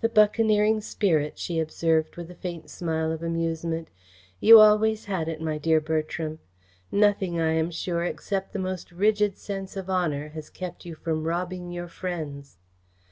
"The buccaneering spirit," she observed, with a faint smile of amusement. "You always had it, my dear Bertram. Nothing, I am sure, except the most rigid sense of honour, has kept you from robbing your friends."